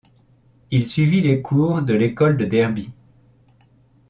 Il suivit les cours de l'école de Derby.